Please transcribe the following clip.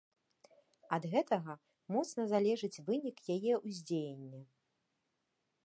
Ад гэтага моцна залежыць вынік яе ўздзеяння.